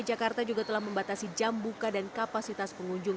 jakarta juga telah membatasi jam buka dan kapasitas pengunjung